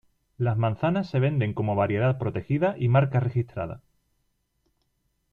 Las manzanas se venden como variedad protegida y marca registrada.